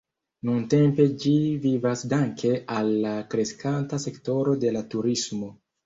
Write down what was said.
Nuntempe ĝi vivas danke al la kreskanta sektoro de la turismo.